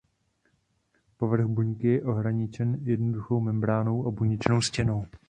Povrch buňky je ohraničen jednoduchou membránou a buněčnou stěnou.